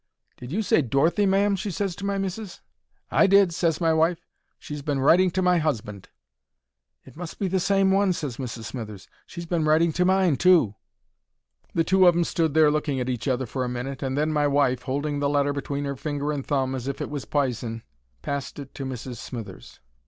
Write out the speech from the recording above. "Did you say 'Dorothy,' ma'am?" she ses to my missis. "I did," ses my wife. "She's been writing to my husband." "It must be the same one," ses Mrs. Smithers. "She's been writing to mine too." The two of 'em stood there looking at each other for a minute, and then my wife, holding the letter between 'er finger and thumb as if it was pison, passed it to Mrs. Smithers.